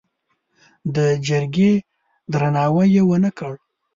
د جرګې درناوی یې ونه کړ.